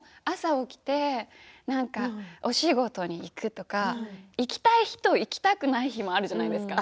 そもそも、朝起きてお仕事に行くとか行きたい日と行きたくない日があるじゃないですか。